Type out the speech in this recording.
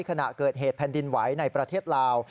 ขณะเกิดเหตุแผ่นดินไหวในประเทศลาว